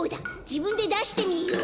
じぶんでだしてみよう。